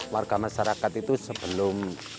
warga masyarakat itu sebelum